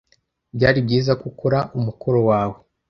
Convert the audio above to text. Byari byiza ko ukora umukoro wawe